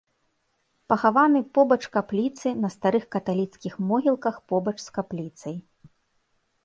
Пахаваны побач капліцы на старых каталіцкіх могілках побач з капліцай.